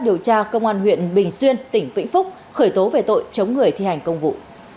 điều tra công an huyện bình xuyên tỉnh vĩnh phúc khởi tố về tội chống người thi hành công vụ